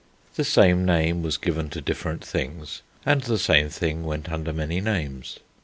The same name was given to different things, and the same thing went under many names.